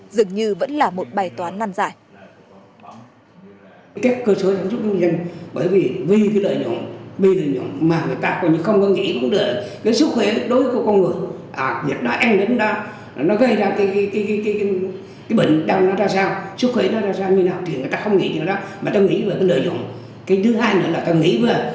dường như vẫn là một bài toán năn giải